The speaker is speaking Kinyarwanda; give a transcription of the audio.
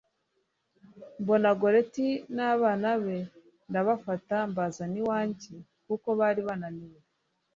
mbona goretti n’abana be ndabafata mbazana iwanjye kuko bari bananiwe